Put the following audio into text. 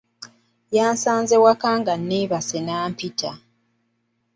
Yansanze waka nga neebase nampita.